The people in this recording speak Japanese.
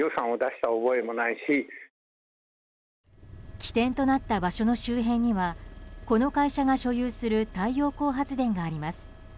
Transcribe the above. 起点となった場所の周辺にはこの会社が所有する太陽光発電があります。